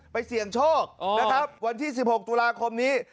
เสี่ยงโชคนะครับวันที่๑๖ตุลาคมนี้